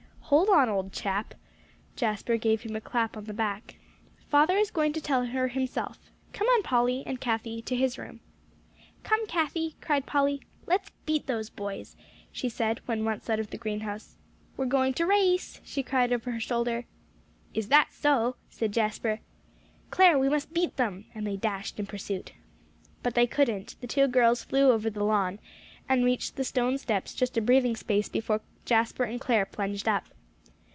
"Hold on, old chap." Jasper gave him a clap on the back. "Father is going to tell her himself. Come on, Polly and Cathie, to his room." "Come, Cathie," cried Polly. "Let's beat those boys," she said, when once out of the greenhouse. "We're going to race," she cried over her shoulder. "Is that so?" said Jasper. "Clare, we must beat them," and they dashed in pursuit. But they couldn't; the two girls flew over the lawn, and reached the stone steps just a breathing space before Jasper and Clare plunged up.